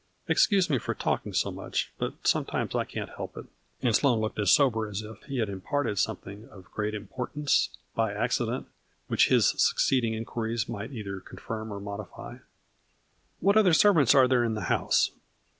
Excuse me for talking so much, but sometimes I can't help it," and Sloane looked as sober as if he had imparted something of great importance, by accident, which his suc ceeding inquiries might either confirm or modify. " What other servants are there in the house